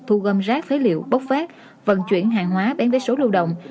thu gom rác phế liệu bốc phát vận chuyển hàng hóa bán vé số lưu động